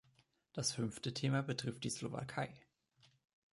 Das fünfte Thema betrifft die Slowakei.